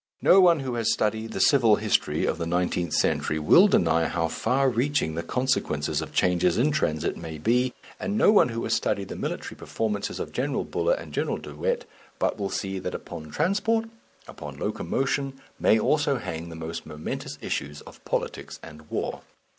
No one who has studied the civil history of the nineteenth century will deny how far reaching the consequences of changes in transit may be, and no one who has studied the military performances of General Buller and General De Wet but will see that upon transport, upon locomotion, may also hang the most momentous issues of politics and war.